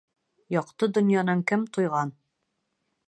Яҡты донъянан кем туйған?